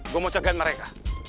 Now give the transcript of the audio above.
gue mau cegat mereka